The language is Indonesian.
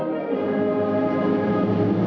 lagu kebangsaan indonesia raya